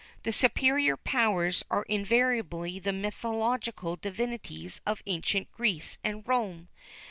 The superior powers are invariably the mythological divinities of ancient Greece and Rome.